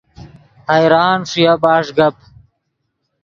حیران ݰویا بݰ گپ